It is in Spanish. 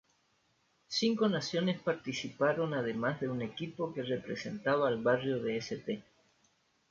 Cinco naciones participaron, además de un equipo que representaba al barrio de St.